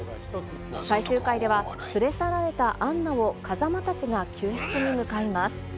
最終回では、連れ去られたアンナを風真たちが救出に向かいます。